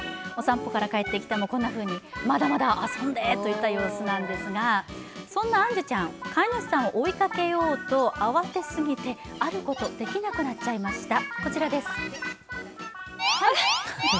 お散歩から帰ってきてもこんなふうにまだまだ遊んでといった様子なんですが、そんなあんじゅちゃん飼い主さんを追いかけようと慌てすぎてあること、できなくなっちゃいました、こちらです。